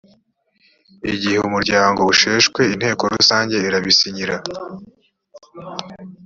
igihe umuryango usheshwe inteko rusange irabisinyira